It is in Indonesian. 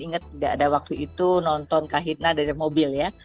ingat tidak ada waktu itu nonton kahitna dari mobil ya